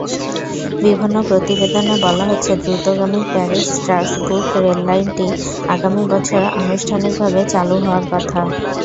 বিভিন্ন প্রতিবেদনে বলা হচ্ছে, দ্রুতগতির প্যারিস-স্ট্রাসবুর্গ রেললাইনটি আগামী বছর আনুষ্ঠানিকভাবে চালু হওয়ার কথা।